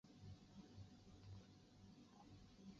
国会是马来西亚最高立法机关。